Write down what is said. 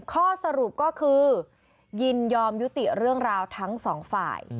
ข้อสรุปก็คือยินยอมยุติเรื่องราวทั้งสองฝ่าย